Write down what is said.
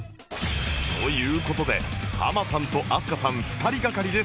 という事でハマさんと飛鳥さん２人がかりで再挑戦